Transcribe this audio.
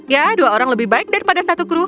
ya dua orang lebih baik daripada satu kru